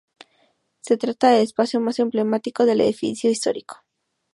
Se trata del espacio más emblemática del Edificio Histórico.